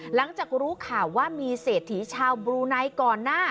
หลังจากรู้ข่าวว่ามีเศรษฐีชาวบลูไนก่อนหน้า